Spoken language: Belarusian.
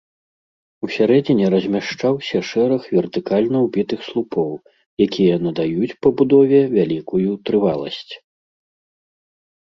У сярэдзіне размяшчаўся шэраг вертыкальна ўбітых слупоў, якія надаюць пабудове вялікую трываласць.